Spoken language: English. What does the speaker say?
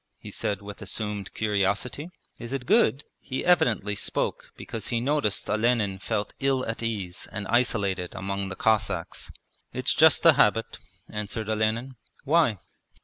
he said with assumed curiosity. 'Is it good?' He evidently spoke because he noticed Olenin felt ill at ease and isolated among the Cossacks. 'It's just a habit,' answered Olenin. 'Why?'